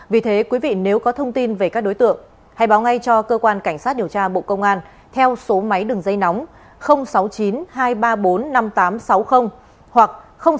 vì thế quý vị nếu có thông tin về các đối tượng hãy báo ngay cho cơ quan cảnh sát điều tra bộ công an theo số máy đường dây nóng sáu mươi chín hai trăm ba mươi bốn năm nghìn tám trăm sáu mươi hoặc sáu mươi chín hai trăm ba mươi hai một nghìn sáu trăm